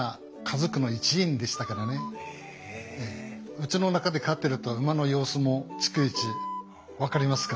うちの中で飼ってると馬の様子も逐一分かりますからね。